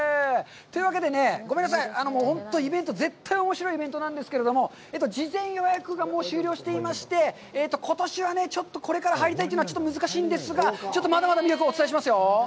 というわけで、ごめんなさい、本当にイベント、絶対おもしろいイベントなんですけれども、事前予約が終了していまして、ことしはちょっとこれから入りたいというのはちょっと難しいんですが、まだまだ魅力をお伝えしますよ。